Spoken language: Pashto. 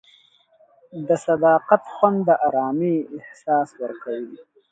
د صداقت خوند د ارامۍ احساس ورکوي.